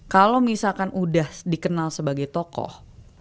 kalau misalkan udah dikenal sebagai tokoh